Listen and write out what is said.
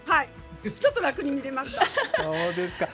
ちょっと楽に見れました。